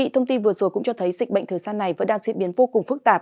thông tin vừa rồi cũng cho thấy dịch bệnh thời gian này vẫn đang diễn biến vô cùng phức tạp